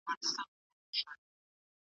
درې جمع څلور؛ اووه کېږي.